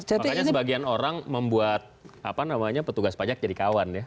makanya sebagian orang membuat petugas pajak jadi kawan ya